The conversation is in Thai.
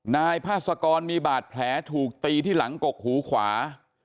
นายพาสกรมีบาดแผลถูกตีที่หลังกกหูขวา